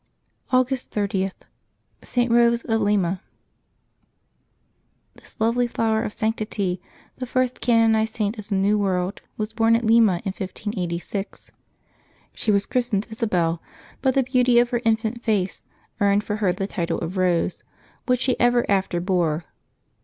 August 30.— ST. ROSE OF LIMA. ^^His lovely flower of sanctity, the first canonized Saint KmJ of the New World, was born at lima in 1586. She was christened Isabel, but the beauty of her infant face earned for her the title of Rose, which she ever after bore.